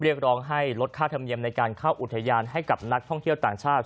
เรียกร้องให้ลดค่าธรรมเนียมในการเข้าอุทยานให้กับนักท่องเที่ยวต่างชาติ